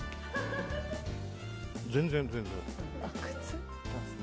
全然、全然。